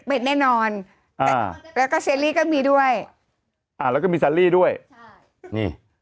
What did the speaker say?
เป็นแน่นอนอ่าแล้วก็เซลลี่ก็มีด้วยอ่าแล้วก็มีแซนลี่ด้วยใช่นี่